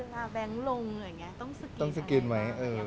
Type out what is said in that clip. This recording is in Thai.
เวลาแบงค์ลงอย่างนี้ต้องสกินไหม